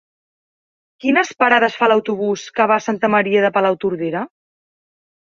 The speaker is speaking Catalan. Quines parades fa l'autobús que va a Santa Maria de Palautordera?